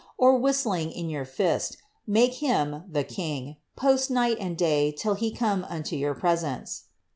329 or whistling in yonr fist, make him (the king) post night and day till he come mio your presence.